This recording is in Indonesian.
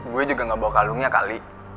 gue juga gak bawa kalungnya kali